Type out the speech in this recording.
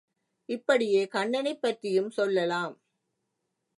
இப்படியே கண்ணனைப் பற்றியும் சொல்லலாம்.